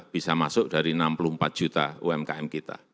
bisa masuk dari enam puluh empat juta umkm kita